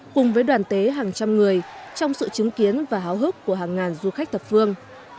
cùng với đoàn tế hàng trăm người trong sự chứng kiến và háo hức của hàng ngàn du khách thập phương